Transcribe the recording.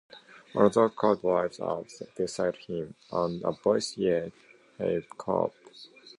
Another car drives up beside him, and a voice yells, Hey, cop!